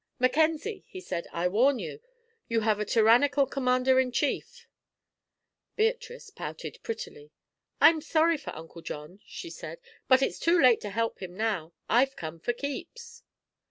"Mackenzie," he said, "I warn you. You have a tyrannical commander in chief." Beatrice pouted prettily. "I'm sorry for Uncle John," she said; "but it's too late to help him now. I've come for keeps."